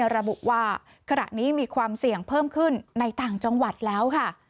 ระบุว่าขณะนี้มีความเสี่ยงเพิ่มขึ้นในต่างจังหวัดแล้วค่ะ